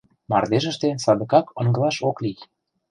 — Мардежыште садыгак ыҥлаш ок лий.